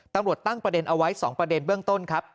ตำรวจตั้งประเด็นเอาไว้๒ประเด็นเบื้องต้นครับ